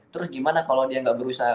terus gimana kalau dia nggak berusaha